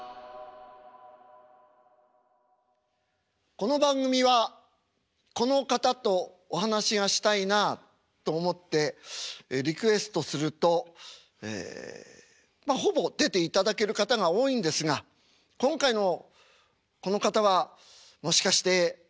この番組はこの方とお話がしたいなあと思ってリクエストするとええほぼ出ていただける方が多いんですが今回のこの方はもしかして引き受けてくれないんではないかな。